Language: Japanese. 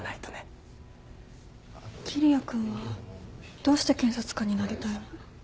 桐矢君はどうして検察官になりたいの？